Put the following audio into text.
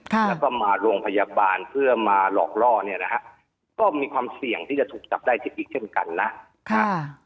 แล้วก็มาโรงพยาบาลเพื่อมาหลอกล่อเนี่ยนะฮะก็มีความเสี่ยงที่จะถูกจับได้อีกเช่นกันนะครับ